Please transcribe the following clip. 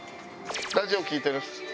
ラジオ聴いてる？